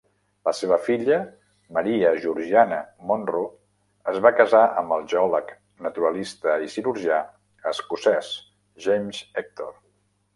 La seva filla, Maria Georgiana Monro, es va casar amb el geòleg, naturalista i cirurgià escocès James Hector.